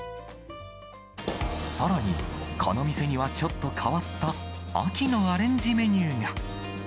さらに、この店には、ちょっと変わった秋のアレンジメニューが。